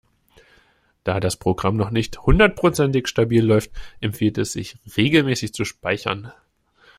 Da das Programm noch nicht hundertprozentig stabil läuft, empfiehlt es sich, regelmäßig zu speichern.